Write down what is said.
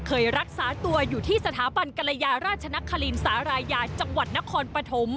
เคยรักษาตัวอยู่ที่สถาบันกรยาราชนครินสารายาจังหวัดนครปฐม